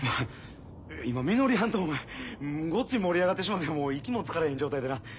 今みのりはんとごっつい盛り上がってしもうてもう息もつかれへん状態でな。